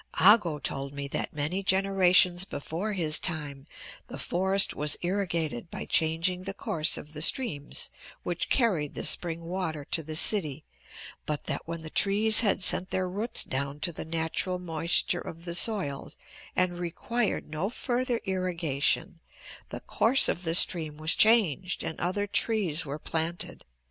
"Ago told me that many generations before his time the forest was irrigated by changing the course of the streams which carried the spring water to the city but that when the trees had sent their roots down to the natural moisture of the soil and required no further irrigation, the course of the stream was changed and other trees were planted.